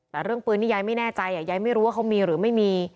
แต่เรื่องปืนนี่ยายไม่แน่ใจยายไม่รู้ว่าเขามีหรือไม่มี